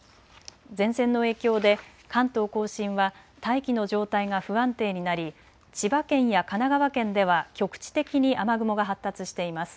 前線の影響で関東甲信は大気の状態が不安定になり千葉県や神奈川県では局地的に雨雲が発達しています。